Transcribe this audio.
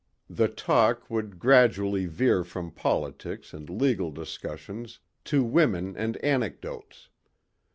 The talk would gradually veer from politics and legal discussions to women and anecdotes.